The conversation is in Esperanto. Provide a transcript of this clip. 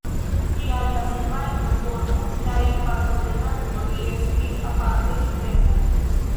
Tial la semajno por multaj partoprenantoj estis aparte impresa.